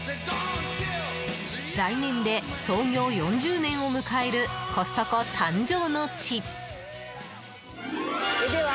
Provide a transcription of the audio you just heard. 来年で創業４０年を迎えるコストコ誕生の地！